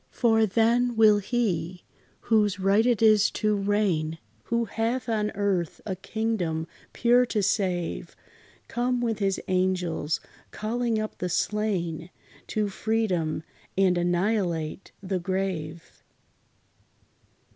For then will He, "whose right it is to reign," Who hath on earth a kingdom pure to save, Come with his angels, calling up the slain To freedom, and annihilate the grave.